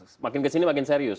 semakin kesini semakin serius